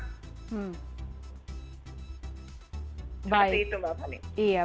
seperti itu mbak panit